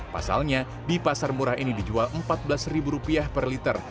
pasalnya di pasar murah ini dijual rp empat belas per liter